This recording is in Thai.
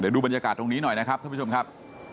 ดูบรรยากาศตรงนี้หน่อยนะครับท่านผู้ชมครับ